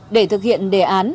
để thực hiện đề án